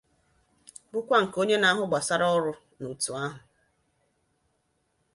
bụkwa nke onye na-ahụ gbàsaara ọrụ n'òtù ahụ